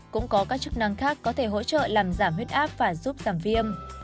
cũng có các chức năng khác có thể hỗ trợ làm giảm huyết áp và giúp giảm viêm